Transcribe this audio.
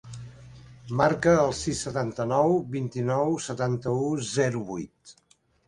Marca el sis, setanta-nou, vint-i-nou, setanta-u, zero, vuit.